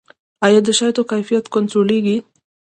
آیا د شاتو کیفیت کنټرولیږي؟